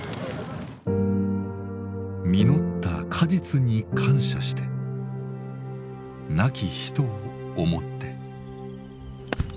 実った果実に感謝して亡き人を思って。